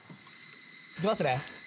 いきますね。